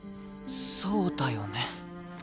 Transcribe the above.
そうだよね。